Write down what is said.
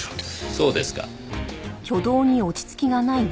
そうですか。